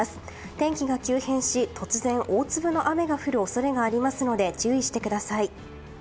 天気が急変し突然、大粒の雨が降る恐れがありますので注意してください。